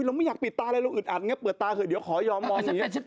เราไม่อยากปิดตาอะไรเราอึดอัดไงเปิดตาเถอะเดี๋ยวขอยอมมองอย่างนี้